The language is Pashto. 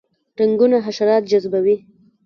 رنګونه حشرات جذبوي